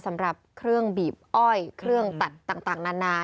สำหรับเครื่องบีบอ้อยเครื่องตัดต่างนานา